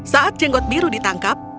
saat jenggot biru ditangkap